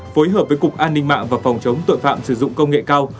phối hợp với cục an ninh mạng và phòng chống tội phạm sử dụng công nghệ cao